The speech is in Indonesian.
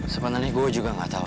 sebenarnya gue juga gak tahu